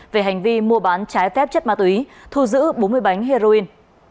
về hành vi mua bán trái phép chất ma túy thu giữ bốn mươi bánh heroin